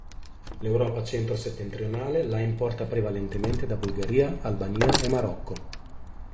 L'Europa centro-settentrionale la importa prevalentemente da Bulgaria, Albania e Marocco.